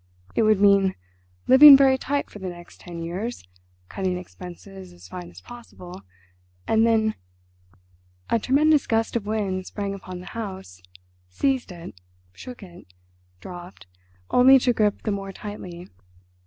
It would mean living very tight for the next ten years, cutting expenses as fine as possible; and then—" A tremendous gust of wind sprang upon the house, seized it, shook it, dropped, only to grip the more tightly.